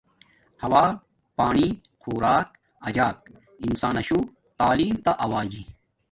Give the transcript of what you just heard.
ہوا ۔پانی /خوراک اجاک انساناشو تعیلم تا اوجی